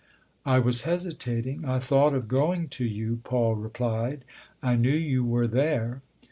" I was hesitating I thought of going to you," Paul replied. " I knew you were there."